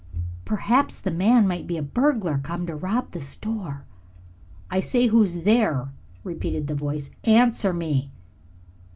Perhaps the man might be a burglar come to rob the store. "I say, who's there?" repeated the voice. "Answer me."